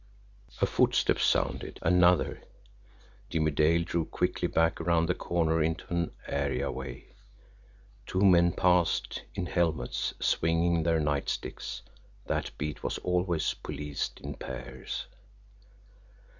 A footstep sounded another. Jimmie Dale drew quickly back around the corner into an areaway. Two men passed in helmets swinging their nightsticks that beat was always policed in pairs!